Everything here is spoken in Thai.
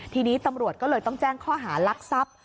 ทีนี้ตำรวจก็เลยต้องแจ้งข้อหารักทรัพย์